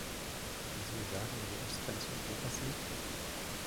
Können Sie mir sagen, wo die Ostgrenze Europas liegt?